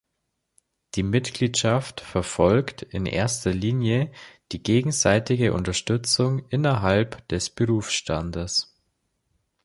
Die Mitgliedschaft verfolgt in erster Linie die gegenseitige Unterstützung innerhalb des Berufsstandes.